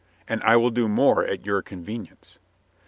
"And I will do more at your convenience."